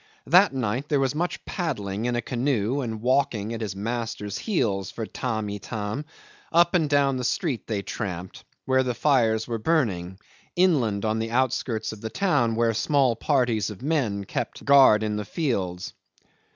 That night there was much paddling in a canoe and walking at his master's heels for Tamb' Itam: up and down the street they tramped, where the fires were burning, inland on the outskirts of the town where small parties of men kept guard in the fields.